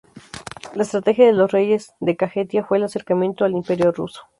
La estrategia de los reyes de Kajetia fue el acercamiento al Imperio ruso.